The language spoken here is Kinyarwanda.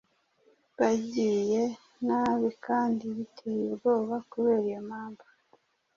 bagiye nabikandi biteye ubwoba kubera iyo mpamvu